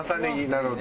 なるほど。